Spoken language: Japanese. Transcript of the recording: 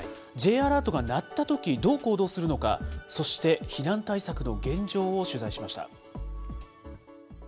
Ｊアラートが鳴ったとき、どう行動するのか、そして、避難対策の現状を取材しました。